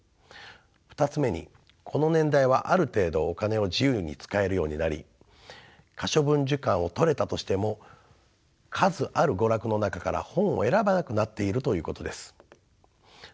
２つ目にこの年代はある程度お金を自由に使えるようになり可処分時間を取れたとしても数ある娯楽の中から本を選ばなくなっているということです。